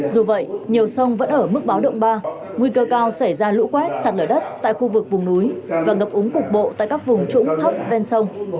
dù vậy nhiều sông vẫn ở mức báo động ba nguy cơ cao xảy ra lũ quét sạt lở đất tại khu vực vùng núi và ngập úng cục bộ tại các vùng trũng thấp ven sông